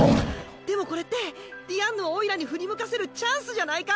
でもこれってディアンヌをおいらに振り向かせるチャンスじゃないか！